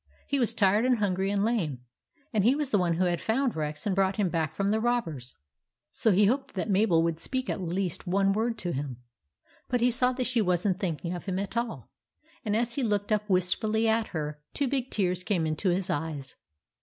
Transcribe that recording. He was tired and hungry and lame, and he was the one who had found Rex and brought him back from the rob THE ROBBERS 65 bers ; so he hoped that Mabel would speak at least one word to him. But he saw that she was n't thinking of him at all ; and as he looked up wistfully at her, two big tears came into his eyes.